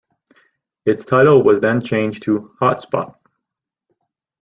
Its title was then changed to "Hot Spot".